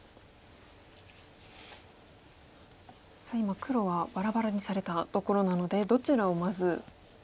さあ今黒はバラバラにされたところなのでどちらをまず。